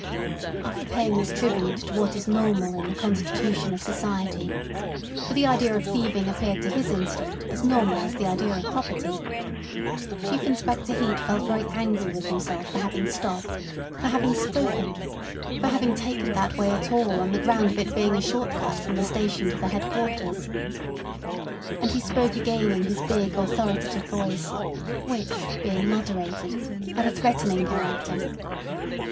After paying this tribute to what is normal in the constitution of society (for the idea of thieving appeared to his instinct as normal as the idea of property), Chief Inspector Heat felt very angry with himself for having stopped, for having spoken, for having taken that way at all on the ground of it being a short cut from the station to the headquarters. And he spoke again in his big authoritative voice, which, being moderated, had a threatening character.